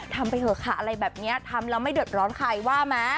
ไปเถอะค่ะอะไรแบบนี้ทำแล้วไม่เดือดร้อนใครว่าไหม